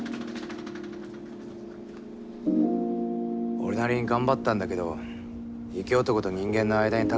俺なりに頑張ったんだけど雪男と人間の間に立つ壁は高かったな。